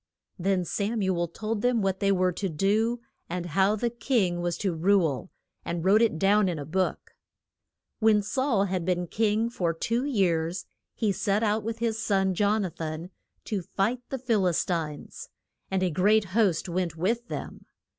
Then Sam u el told them what they were to do, and how the king was to rule, and wrote it down in a book. When Saul had been king for two years, he set out with his son, Jon a than, to fight the Phil is tines. And a great host went with them.